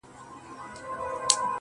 افسوس كوتر نه دى چي څوك يې پـټ كړي.